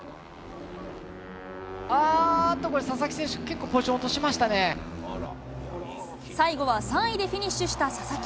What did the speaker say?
あーっとこれ、佐々木選手、最後は３位でフィニッシュした佐々木。